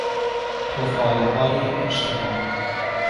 تفالههای اجتماع